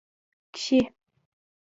کښې